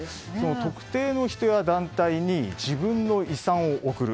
特定の人や団体に自分の遺産を贈る。